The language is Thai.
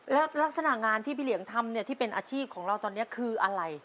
แล้วลักษณะงานที่พี่เหลียงทำเนี่ยที่เป็นอาชีพของเราตอนนี้คืออะไร